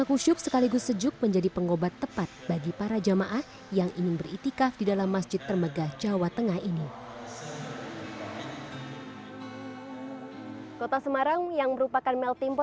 kota semarang yang merupakan mel teampo